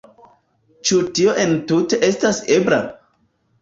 Ĉu tio entute estas ebla?